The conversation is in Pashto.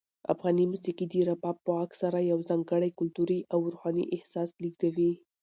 افغاني موسیقي د رباب په غږ سره یو ځانګړی کلتوري او روحاني احساس لېږدوي.